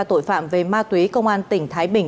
tội phạm về ma túy công an tỉnh thái bình